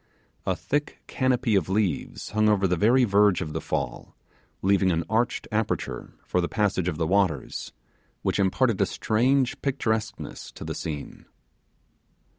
A thick canopy of trees hung over the very verge of the fall, leaving an arched aperture for the passage of the waters, which imparted a strange picturesqueness to the scene.